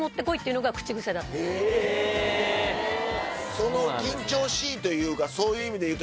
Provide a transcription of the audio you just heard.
その緊張しいというかそういう意味でいうと。